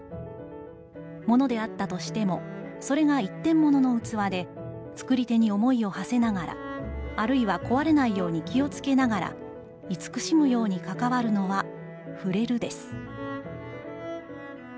「物であったとしても、それが一点物のうつわで、作り手に想いを馳せながら、あるいは壊れないように気をつけながらいつくしむようにかかわるのは『ふれる』です」。